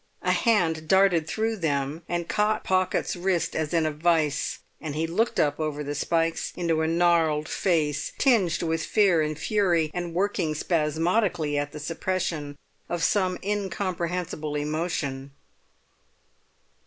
A hand darted through them and caught Pocket's wrist as in a vice. And he looked up over the spikes into a gnarled face tinged with fear and fury, and working spasmodically at the suppression of some incomprehensible emotion.